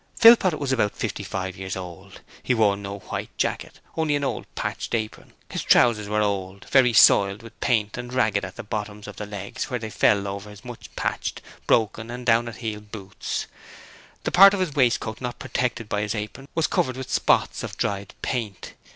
Philpot was about fifty five years old. He wore no white jacket, only an old patched apron; his trousers were old, very soiled with paint and ragged at the bottoms of the legs where they fell over the much patched, broken and down at heel boots. The part of his waistcoat not protected by his apron was covered with spots of dried paint.